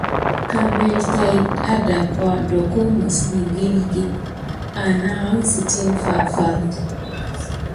Kevele tät adakiwa doko məs məgillite anahansitini farfarə.